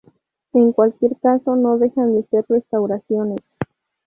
En cualquier caso, no dejan de ser restauraciones.